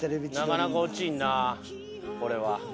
なかなか落ちんなこれは。